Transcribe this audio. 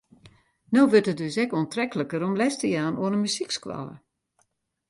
No wurdt it dus ek oantrekliker om les te jaan oan in muzykskoalle.